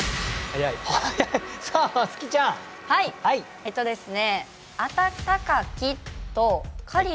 えっとですね